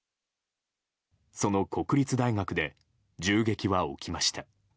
その国立大学で銃撃は起きました。